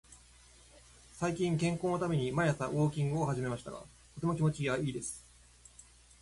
最近、健康のために毎朝ウォーキングを始めましたが、とても気持ちがいいです。